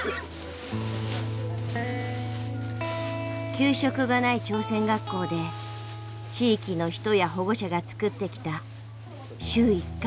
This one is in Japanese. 給食がない朝鮮学校で地域の人や保護者が作ってきた週１回の「オモニ給食」。